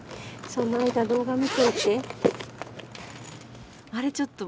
その間動画見といて。